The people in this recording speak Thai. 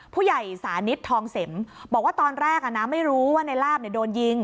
ผู้ใหญ่สานิสทองเสมบอกว่าตอนแรกอะนะไม่รู้ว่านายลาภูตายเนี่ยโดนยิง